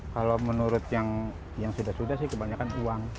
kalau menurut yang sudah sudah sih kebanyakan uang